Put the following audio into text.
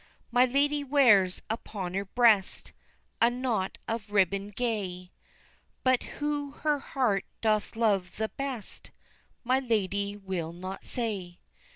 My ladye wears upon her breast A knot of ribbon gay, But who her heart doth love the best My ladye will not say.